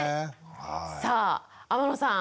さあ天野さん